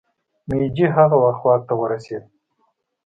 مېجي هغه وخت واک ته ورسېد.